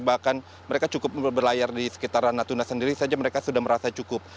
bahkan mereka cukup berlayar di sekitaran natuna sendiri saja mereka sudah merasa cukup